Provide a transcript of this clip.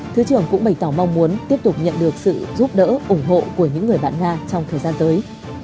thứ trưởng cũng bày tỏ mong muốn tiếp tục nhận được sự giúp đỡ ủng hộ của những người bạn nga trong thời gian tới